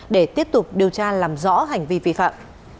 để tiếp tục điều tra làm rõ hành vi vi phạm